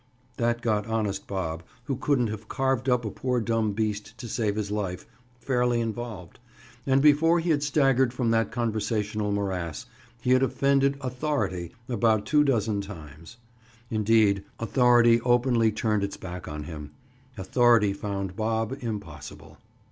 That got honest Bob—who couldn't have carved up a poor dumb beast, to save his life—fairly involved, and before he had staggered from that conversational morass, he had offended Authority about two dozen times. Indeed, Authority openly turned its back on him. Authority found Bob impossible.